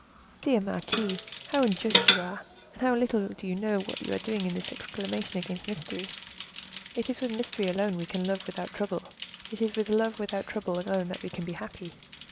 "Dear marquise, how unjust you are, and how little do you know what you are doing in thus exclaiming against mystery; it is with mystery alone we can love without trouble; it is with love without trouble alone that we can be happy.